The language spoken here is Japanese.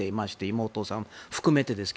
妹さんを含めてですが。